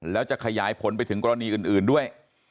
แล้วจะขยายผลไปถึงกรณีอื่นด้วย